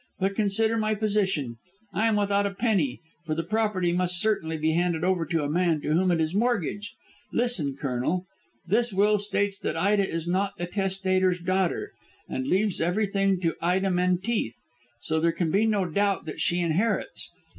"But consider my position. I am without a penny, for the property must certainly be handed over to the man to whom it is mortgaged. Listen, Colonel. This will states that Ida is not the testator's daughter, and leaves everything to Ida Menteith, so there can be no doubt that she inherits.